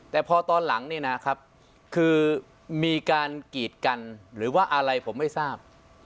แต่พอตอนหลังเนี่ยนะครับคือมีการกีดกันหรือว่าอะไรผมไม่ทราบ